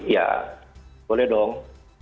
ya boleh dong